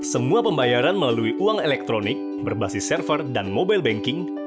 semua pembayaran melalui uang elektronik berbasis server dan mobile banking